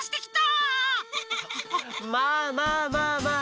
まあまあまあまあ